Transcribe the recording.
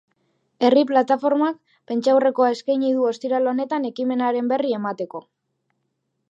Herri plataformak prentsaurrekoa eskaini du ostiral honetan ekimenaren berri emateko.